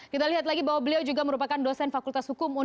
kita lihat lagi bahwa beliau juga merupakan dosen fakultas hukum